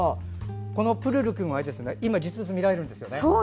このプルルくん、今、実物が見られるんですよね。